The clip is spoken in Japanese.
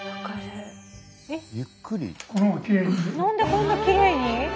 なんでこんなきれいに？